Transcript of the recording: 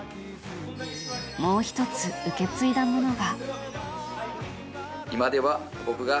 もう１つ、受け継いだものが。